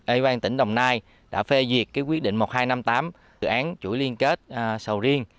ủy ban tỉnh đồng nai đã phê duyệt quyết định một nghìn hai trăm năm mươi tám dự án chuỗi liên kết sầu riêng